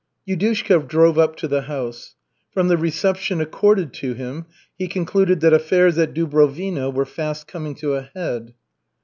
Yudushka drove up to the house. From the reception accorded to him he concluded that affairs at Dubrovino were fast coming to a head.